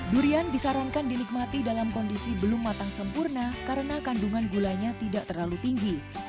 durian disarankan dinikmati dalam kondisi belum matang sempurna karena kandungan gulanya tidak terlalu tinggi